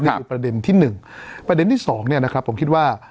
นี่คือประเด็นที่๑ประเด็นที่สองเนี่ยนะครับผมคิดว่า